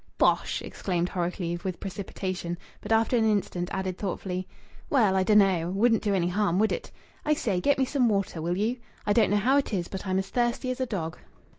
"Bosh!" exclaimed Horrocleave, with precipitation, but after an instant added thoughtfully: "Well, I dun'no'. Wouldn't do any harm, would it? I say get me some water, will you? I don't know how it is, but I'm as thirsty as a dog."